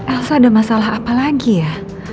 asal ada masalah apa lagi ya